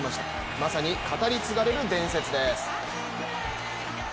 まさに、語り継がれる伝説です。